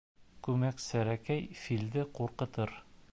Күмәк серәкәй филде ҡурҡытыр.